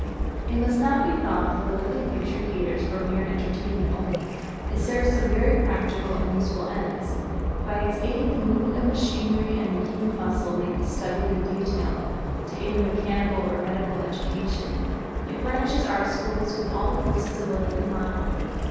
It must not be thought that the Living Picture caters for mere entertainment only. It serves some very practical and useful ends. By its aid the movements of machinery and the human muscles may be studied in detail, to aid a mechanical or medical education. It furnishes art schools with all the poses of a living model.